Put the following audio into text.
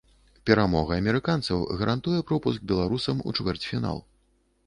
Перамога амерыканцаў гарантуе пропуск беларусам у чвэрцьфінал.